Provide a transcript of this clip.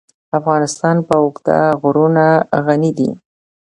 افغانستان په اوږده غرونه غني دی.